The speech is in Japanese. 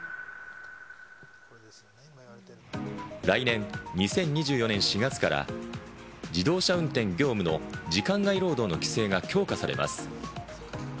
来年２０２４年４月から自動車運転業務の時間外労働の規制が強化されます。